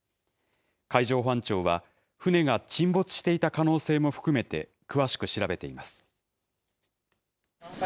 海上保安庁は、船が沈没していた可能性も含めて、詳しく調べています。